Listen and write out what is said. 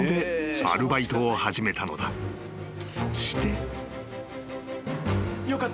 ［そして］